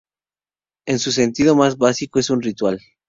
En su sentido más básico es un ritual.